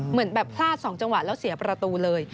เหมือนแบบพลาด๒จังหวะแล้วเสียประตูเลย